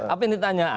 apa yang ditanya